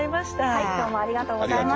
はいどうもありがとうございました。